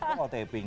ini kalau taping